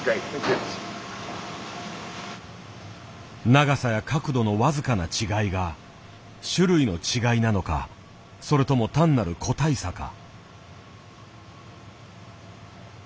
長さや角度の僅かな違いが種類の違いなのかそれとも単なる個体差か。